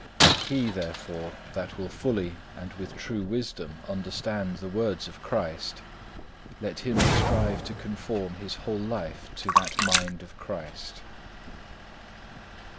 He, therefore, that will fully and with true wisdom understand the words of Christ, let him strive to conform his whole life to that mind of Christ.